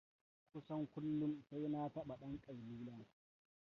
Kusan kullum sai na taɓa ɗan ƙailula.